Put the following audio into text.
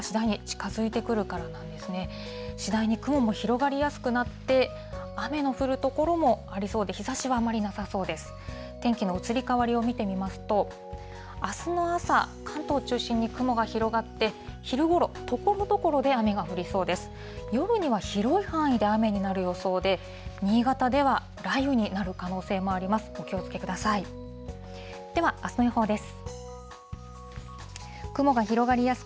夜には広い範囲で雨になる予想で、新潟では雷雨になる可能性もあります。